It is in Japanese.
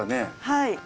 はい。